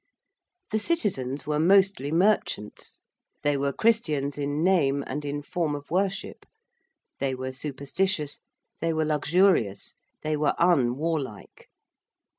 The citizens were mostly merchants: they were Christians in name and in form of worship, they were superstitious, they were luxurious, they were unwarlike.